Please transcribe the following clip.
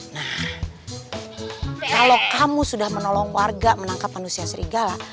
nah kalau kamu sudah menolong warga menangkap manusia serigala